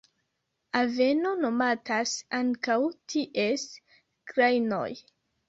Aveno nomatas ankaŭ ties grajnoj.